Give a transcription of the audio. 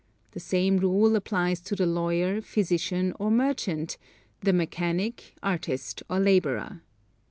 The same rule applies to the lawyer, physician, or merchant the mechanic, artist or laborer.